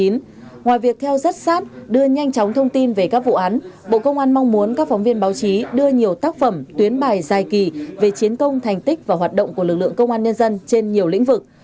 ngoài việc theo rất sát đưa nhanh chóng thông tin về các vụ án bộ công an mong muốn các phóng viên báo chí đưa nhiều tác phẩm tuyến bài dài kỳ về chiến công thành tích và hoạt động của lực lượng công an nhân dân trên nhiều lĩnh vực